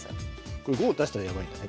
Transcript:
これ５出したらやばいんだね